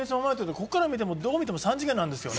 ここから見ても、どう見ても三次元なんですよね。